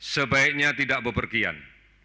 sebaiknya tidak bepergian